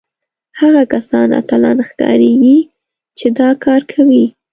هغه کسان اتلان ښکارېږي چې دا کار کوي